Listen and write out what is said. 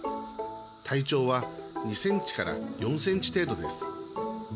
体長は２センチから４センチ程度です。